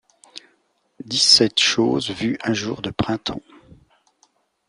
dix sept chose vue un jour de printemps